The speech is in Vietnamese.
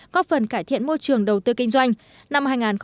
góp phần cải thiện môi trường đầu tư kinh doanh